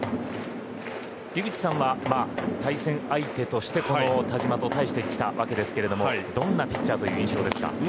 井口さんは対戦相手として田嶋と対してきたわけですがどんなピッチャーという印象ですか？